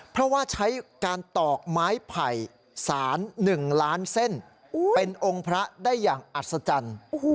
เพราะว่าใช้การตอกไม้ไผ่สาร๑ล้านเส้นเป็นองค์พระได้อย่างอัศจรรย์